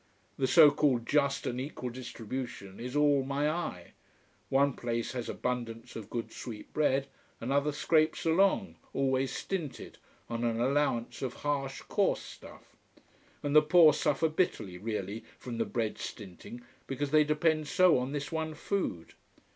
The so called just and equal distribution is all my eye. One place has abundance of good sweet bread, another scrapes along, always stinted, on an allowance of harsh coarse stuff. And the poor suffer bitterly, really, from the bread stinting, because they depend so on this one food.